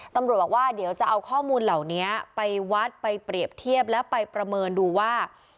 ตำรวจบอกว่าเดี๋ยวจะเอาข้อมูลเหล่านี้ไปวัดไปเปรียบเทียบและไปประเมินดูว่า